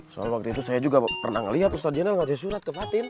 soal waktu itu saya juga pernah melihat ustadz jenderal ngasih surat ke patin